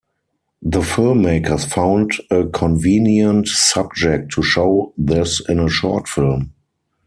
The filmmakers found a convenient subject to show this in a short film.